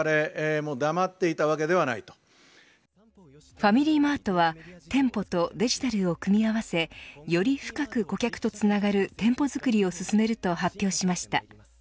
ファミリーマートは店舗とデジタルを組み合わせより深く顧客とつながる店舗作りを進めると発表しました。